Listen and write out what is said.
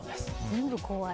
全部怖い。